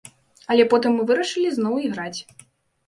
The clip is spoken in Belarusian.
Але потым мы вырашылі зноў іграць.